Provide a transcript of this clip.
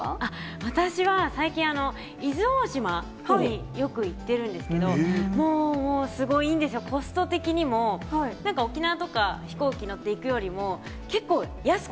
私は最近、伊豆大島によく行ってるんですけど、もうすごいいいんですよ、コスト的にも、なんか沖縄とか、飛行機乗っていくよりも、結構安